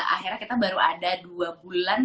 akhirnya kita baru ada dua bulan